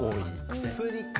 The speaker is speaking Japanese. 薬か！